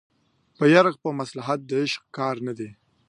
په يرغ په مصلحت د عشق کار نه دی